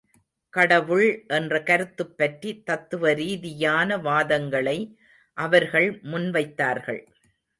கடவுள் என்ற கருத்துப்பற்றி தத்துவ ரீதியான வாதங்களை அவர்கள் முன் வைத்தார்கள்.